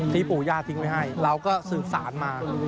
ปู่ย่าทิ้งไว้ให้เราก็สืบสารมา